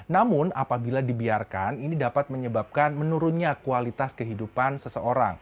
namun apabila dibiarkan ini dapat menyebabkan menurunnya kualitas kehidupan seseorang